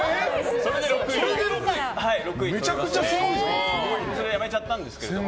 それでやめちゃったんですけど。